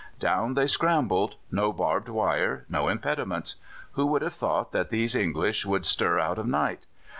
Down they scrambled; no barbed wire, no impediments. Who would have thought that these English would stir out o' night?